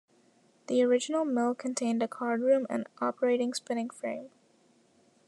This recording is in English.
The original mill contained a card room and operating spinning frame.